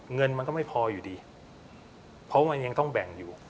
เงินมันก็ไม่พออยู่ดีเพราะมันยังต้องแบ่งอยู่